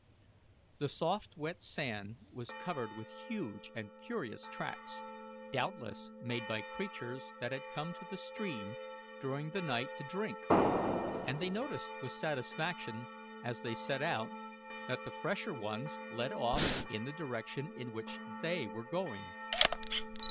The soft wet sand was covered with huge and curious tracks, doubtless made by creatures that had come to the stream during the night to drink, and they noticed with satisfaction as they set out that the fresher ones led off in the direction in which they were going.